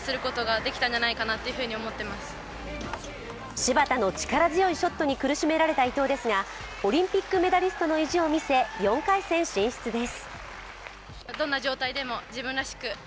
芝田の力強いショットに苦しめられた伊藤ですが、オリンピックメダリストの意地を見せ、４回戦進出です。